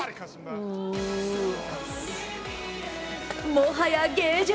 もはや芸術！